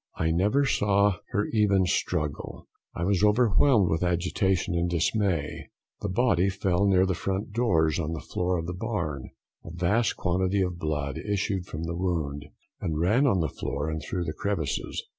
I never saw her even struggle. I was overwhelmed with agitation and dismay: the body fell near the front doors on the floor of the barn. A vast quantity of blood issued from the wound, and ran on to the floor and through the crevices.